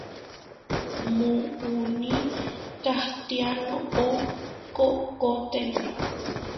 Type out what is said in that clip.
Muuní katiá noʼó koʼkoténa.